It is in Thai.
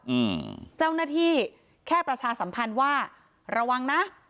อืมเจ้าหน้าที่แค่ประชาสัมพันธ์ว่าระวังนะ